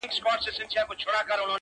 عبدالباري جهاني: څرنګه شعر ولیکو؟ -